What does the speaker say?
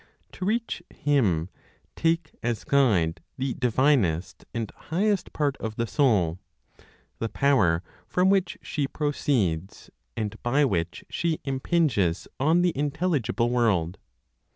To reach Him, take as guide the divinest and highest part of the Soul, the power from which she proceeds, and by which she impinges on the intelligible world.